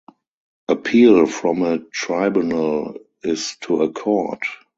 Appeal from a tribunal is to a court.